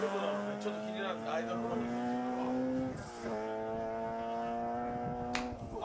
ちょっと気になるんでアイドルモーニングいってみるわ。